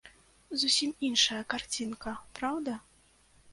Зусім іншая карцінка, праўда?